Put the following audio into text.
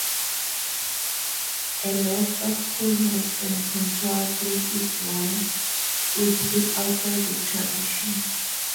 A loss of coolness and control places one squarely outside the tradition.